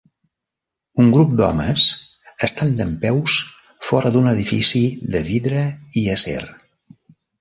Un grup d'homes estan dempeus fora d'un edifici de vidre i acer.